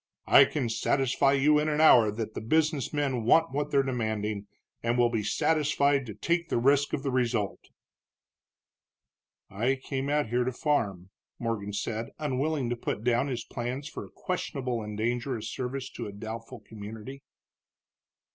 "I can satisfy you in an hour that the business men want what they're demanding, and will be satisfied to take the risk of the result." "I came out here to farm," Morgan said, unwilling to put down his plans for a questionable and dangerous service to a doubtful community.